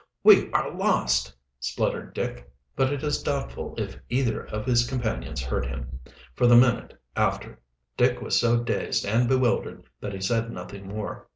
"We are lost!" spluttered Dick, but it is doubtful if either of his companions heard him. For the minute after Dick was so dazed and bewildered that he said nothing more.